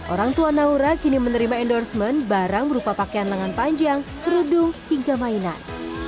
orang tua naura kini menerima endorsement barang berupa pakaian lengan panjang kerudung hingga mainan